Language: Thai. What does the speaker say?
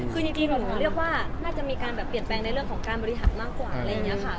คือจริงหนูเรียกว่าน่าจะมีการแบบเปลี่ยนแปลงในเรื่องของการบริหารมากกว่าอะไรอย่างนี้ค่ะ